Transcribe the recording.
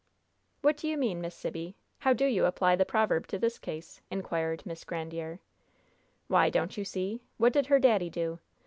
"What do you mean, Miss Sibby? How do you apply the proverb to this case?" inquired Miss Grandiere. "Why, don't you see? What did her daddy do?